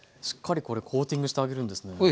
しっかりこれコーティングしてあげるんですね。